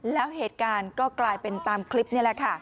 แล้วเหตุการณ์ก็กลายเป็นตามคลิปนี่แหละค่ะ